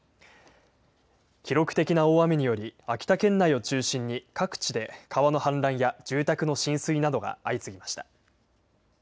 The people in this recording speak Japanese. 記録的な大雨により秋田県内を中心に各地で川の氾濫や住宅の浸水などが相次ぎました。